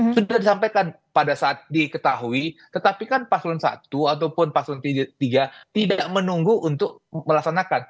sudah disampaikan pada saat diketahui tetapi kan paslon satu ataupun paslon tiga tidak menunggu untuk melaksanakan